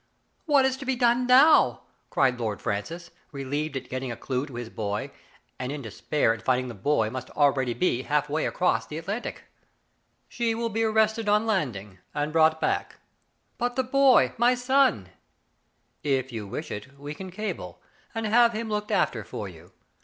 " What is to be done now?" cried Lord Fran cis, relieved at getting a clew to his boy, and in despair at finding the child must already be half way across the Atlantic. Digitized by Google l68 THE FATE OF FENELLA, " She will be arrested on landing, and brought back." " But the boy, my son ?"'• If you wish it, we can cable, and have him looked after for you.